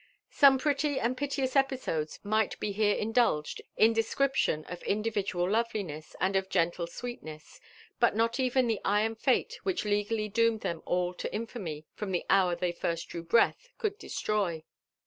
Some pretty arwl piteous episodes might be here indulged in descrip tion of individual loveliness and of gentle sweetness, that not even the iron fate which legally doomed them all to infamy from the hour Ihey first drew breath could destroy.